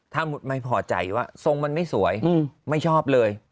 ถ้าไม่พอใจว่าทรงมันไม่สวยไม่ชอบเลย